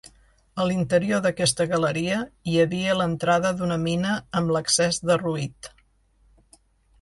A l'interior d’aquesta galeria hi havia l'entrada d’una mina amb l'accés derruït.